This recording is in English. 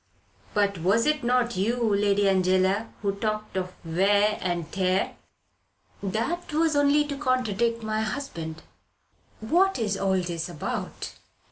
"But was it not you, Lady Angela, who talked of wear and tear. "That was only to contradict my husband." "What is all this about?"